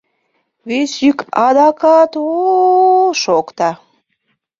Вес йӱк адакат о-о-о шокта.